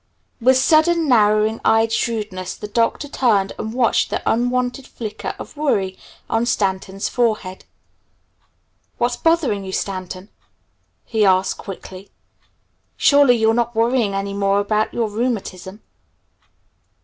With a sudden narrowing eyed shrewdness the Doctor turned and watched an unwonted flicker of worry on Stanton's forehead. "What's bothering you, Stanton?" he asked, quickly. "Surely you're not worrying any more about your rheumatism?"